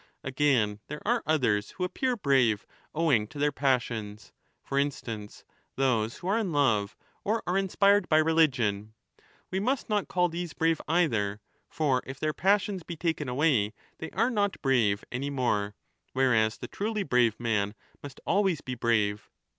Again, there are others who appear brave owing to their passions ; for instance, those who are in love or are inspired by religion. We must not call these brave either. For if their passion be taken away, they are not brave any 1191* more, whereas the truly brave man must always be brave.